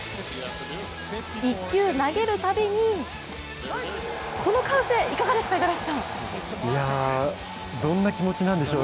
１球、投げるたびに、この歓声いかがですか？